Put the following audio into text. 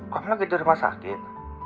kamu lagi tidur rumah sakit